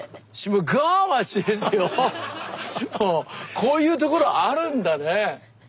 こういうところあるんだね。